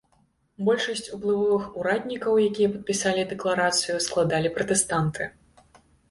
Большасць уплывовых ураднікаў, якія падпісалі дэкларацыю, складалі пратэстанты.